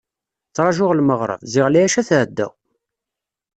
Ttrajuɣ lmeɣreb, ziɣ lɛica tɛedda!